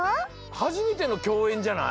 はじめてのきょうえんじゃない？